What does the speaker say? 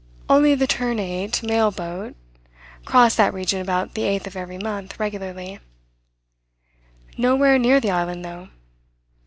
Only the Ternate mail boat crossed that region about the eighth of every month, regularly nowhere near the island though.